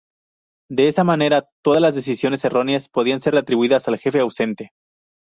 De esa manera, todas las decisiones erróneas podían ser atribuidas al jefe ausente.